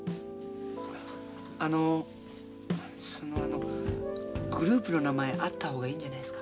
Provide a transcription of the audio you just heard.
あのそのあのグループの名前あった方がいいんじゃないですか？